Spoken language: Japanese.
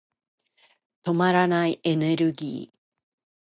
止まらないエネルギー。